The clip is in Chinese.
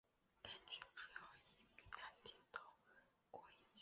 该剧主要以米安定逃过一劫。